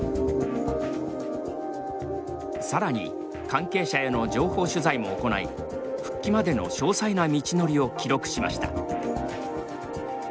更に関係者への情報取材も行い復帰までの詳細な道のりを記録しました。